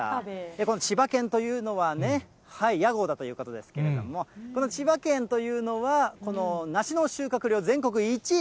この千葉県というのはね、屋号だということですけれども、この千葉県というのは、この梨の収穫量全国１位。